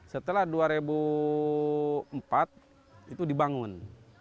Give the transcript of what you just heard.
setelah dua ribu empat itu dibangun